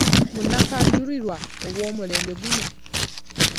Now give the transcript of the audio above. Munnakajulirwa ow’omulembe guno.